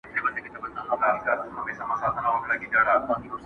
دغه خلګ دي باداره په هر دوو سترګو ړانده سي،